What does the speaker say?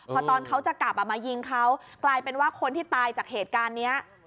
พอตอนเขาจะกลับมายิงเขากลายเป็นว่าคนที่ตายจากเหตุการณ์นี้